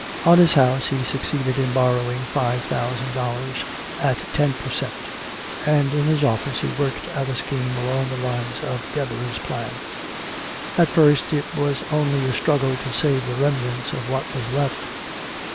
On his house he succeeded in borrowing five thousand dollars at ten per cent, and in his office he worked out a scheme along the lines of Deborah's plan. At first it was only a struggle to save the remnants of what was left.